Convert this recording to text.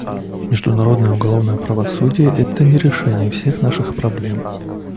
Международное уголовное правосудие — это не решение всех наших проблем.